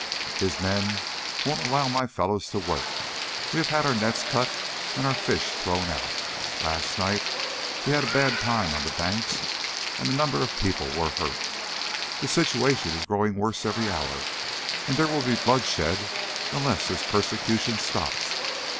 "His men won't allow my fellows to work; we have had our nets cut and our fish thrown out. Last night we had a bad time on the banks, and a number of people were hurt. The situation is growing worse every hour, and there will be bloodshed unless this persecution stops.